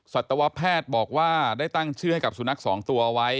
สัตวแพทย์บอกว่าได้ตั้งชื่อให้กับสุนัขสองตัวเอาไว้